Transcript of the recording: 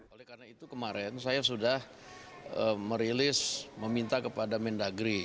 oleh karena itu kemarin saya sudah merilis meminta kepada mendagri